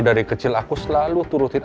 dari kecil aku selalu turutin